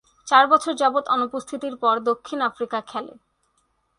চার বছর যাবৎ অনুপস্থিতির পর দক্ষিণ আফ্রিকা খেলে।